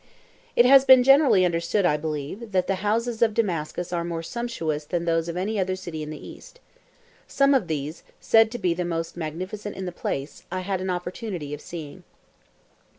It has been generally understood, I believe, that the houses of Damascus are more sumptuous than those of any other city in the East. Some of these, said to be the most magnificent in the place, I had an opportunity of seeing.